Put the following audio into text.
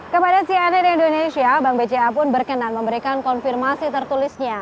kepada cnn indonesia bank bca pun berkenan memberikan konfirmasi tertulisnya